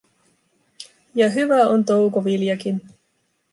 Ja hyvä on toukoviljakin.